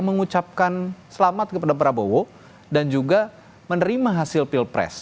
mengucapkan selamat kepada prabowo dan juga menerima hasil pilpres